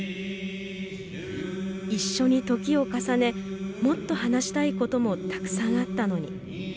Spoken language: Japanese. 一緒に時を重ねもっと話したいこともたくさんあったのに。